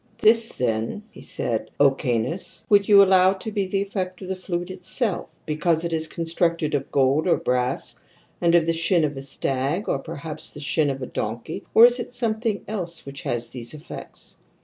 " This then," he said, "Ὁ Canus, would you allow to be the effect of the flute itself, because it is constructed of gold or brass and of the shin of a stag, or perhaps of the shin of a donkey, or is it something else which has these effects?"